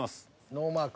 ノーマーク。